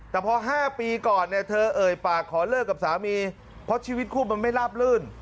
แต่พอ๕ปีก่อนเนี่ยเธอเอ่ยปากขอเลิกกับสามีเพราะชีวิตคู่มันไม่ลาบลื่น